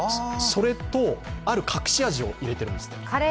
それと、ある隠し味を入れているんですって。